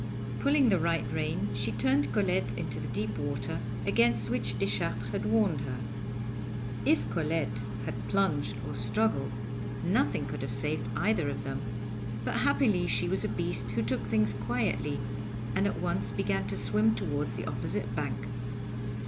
Pulling the right rein she turned Colette into the deep water, against which Deschartres had warned her. If Colette had plunged or struggled, nothing could have saved either of them, but happily she was a beast who took things quietly, and at once began to swim towards the opposite bank.